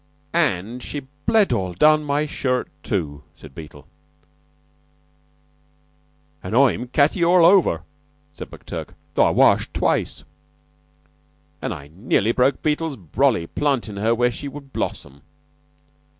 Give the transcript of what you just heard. "And she bled all down my shirt, too!" said Beetle. "An' I'm catty all over," said McTurk, "though I washed twice." "An' I nearly broke Beetle's brolly plantin' her where she would blossom!"